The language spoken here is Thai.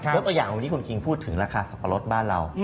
แล้วตัวอย่างที่คุณคิงพูดถึงราคาสัปปะรดบ้านเรา